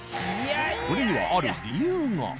これにはある理由が！